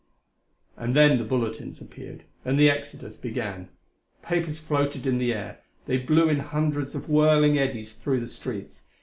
And then the bulletins appeared, and the exodus began. Papers floated in the air; they blew in hundreds of whirling eddies through the streets.